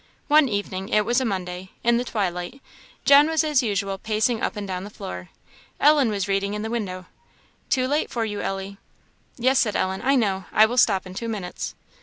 One evening it was a Monday in the twilight, John was as usual pacing up and down the floor. Ellen was reading in the window. "Too late for you, Ellie." "Yes," said Ellen; "I know; I will stop in two minutes."